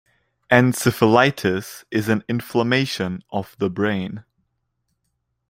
Encephalitis is an inflammation of the brain.